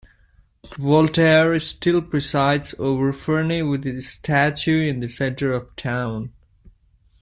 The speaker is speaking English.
Voltaire still presides over Ferney with his statue in the center of town.